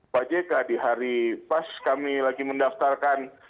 pak jk di hari pas kami lagi mendaftarkan